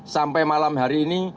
sampai malam hari ini